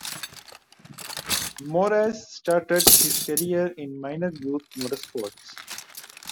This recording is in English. Moraes started his career in minor youth motorsports.